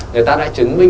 người ta đã chứng minh